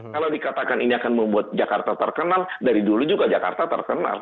kalau dikatakan ini akan membuat jakarta terkenal dari dulu juga jakarta terkenal